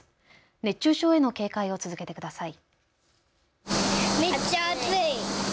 熱中症への警戒を続けてください。